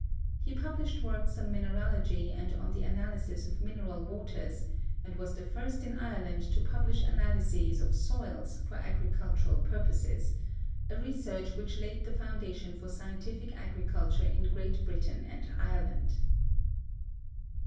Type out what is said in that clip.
He published works on mineralogy and on the analysis of mineral waters, and was the first in Ireland to publish analyses of soils for agricultural purposes, a research which laid the foundation of scientific agriculture in Great Britain and Ireland.